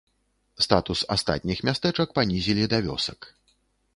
Статус астатніх мястэчак панізілі да вёсак.